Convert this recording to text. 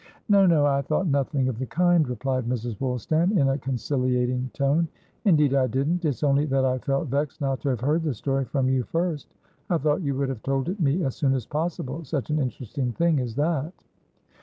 "No, no, I thought nothing of the kind," replied Mrs. Woolstan, in a conciliating tone. "Indeed I didn't! It's only that I felt vexed not to have heard the story from you first. I thought you would have told it me as soon as possiblesuch an interesting thing as that."